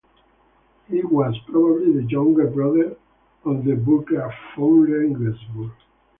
He was probably the younger brother of the Burggraf von Regensburg.